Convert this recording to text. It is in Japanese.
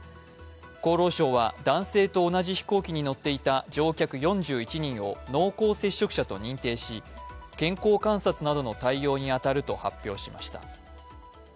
厚労省は男性と同じ飛行機に乗っていた乗客４１人を濃厚接触者と認定し健康観察などの対応に当たると発表しました。